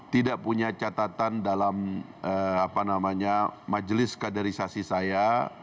tidak punya catatan dalam majelis kaderisasi saya